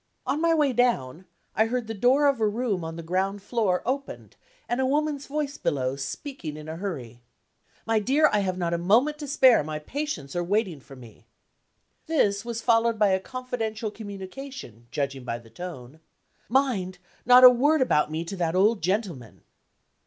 On my way down, I heard the door of a room on the ground floor opened, and a woman' s voice below, speaking in a hurry: "My dear, I have not a moment to spare; my patients are waiting for me." This was followed by a confidential communication, judging by the tone. "Mind! not a word about me to that old gentleman!"